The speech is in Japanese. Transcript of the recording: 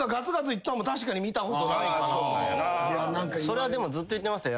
それはずっと言ってましたよ。